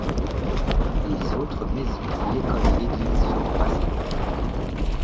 Les autres maisons, l'école et l'église seront rasées.